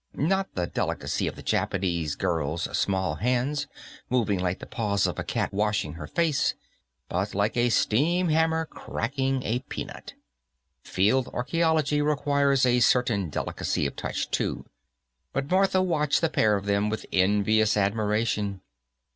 Not the delicacy of the Japanese girl's small hands, moving like the paws of a cat washing her face, but like a steam hammer cracking a peanut. Field archaeology requires a certain delicacy of touch, too, but Martha watched the pair of them with envious admiration.